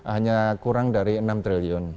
hanya kurang dari enam triliun